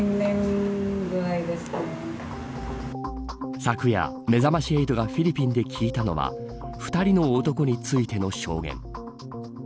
昨夜、めざまし８がフィリピンで聞いたのは２人の男についての証言。